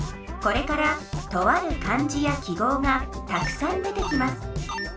これからとある漢字や記号がたくさん出てきます。